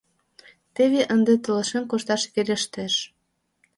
Теве ынде толашен кошташ верештеш...